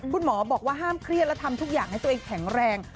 คุณหมอบอกว่าห้ามเครียดและทำทุกอย่างให้ตัวเองแข็งแรง